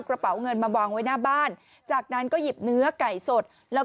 กระเป๋าเงินมาวางไว้หน้าบ้านจากนั้นก็หยิบเนื้อไก่สดแล้ว